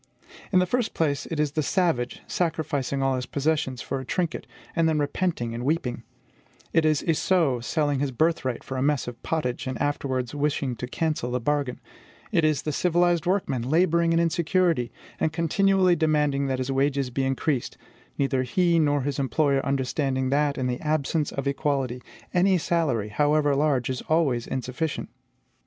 In the first place, it is the savage sacrificing all his possessions for a trinket, and then repenting and weeping; it is Esau selling his birthright for a mess of pottage, and afterwards wishing to cancel the bargain; it is the civilized workman laboring in insecurity, and continually demanding that his wages be increased, neither he nor his employer understanding that, in the absence of equality, any salary, however large, is always insufficient.